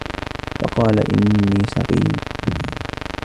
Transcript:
فقال إني سقيم